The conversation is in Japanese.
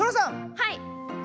はい。